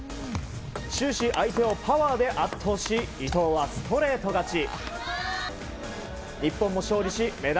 終始相手をパワーで圧倒し伊藤はストレート勝ち。